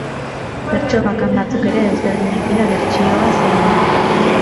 Bertso bakan batzuk ere ezberdinak dira bertsioa zein den.